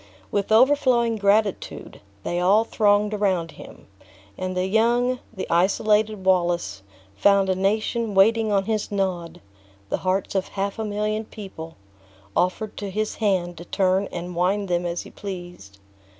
With overflowing gratitude, they all thronged around him; and the young, the isolated Wallace, found a nation waiting on his nod; the hearts of half a million of people offered to his hand to turn and wind them as he pleased.